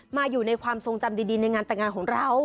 อยู่ในความทรงจำดีในงานแต่งงานของเรา